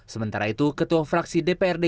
sementara itu ketua fraksi dprd